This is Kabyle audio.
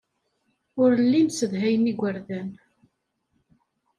Ur llin ssedhayen igerdan.